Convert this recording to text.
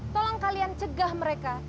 tolong kalian cegah mereka